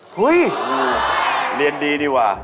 เฮ้ยเรียนดีดีกว่า